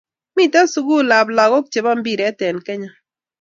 Miten sukul ab lakoko che bo mpiret en Kenya